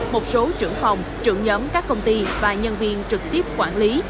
một số trưởng phòng trưởng nhóm các công ty và nhân viên trực tiếp quản lý